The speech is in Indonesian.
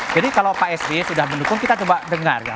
jadi kalau pak sby sudah mendukung kita coba dengar ya